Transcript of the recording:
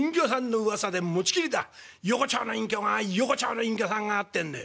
『横町の隠居が横町の隠居さんが』ってんで」。